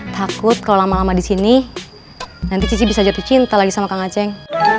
takut kalau lama lama di sini nanti cici bisa jatuh cinta lagi sama kang aceh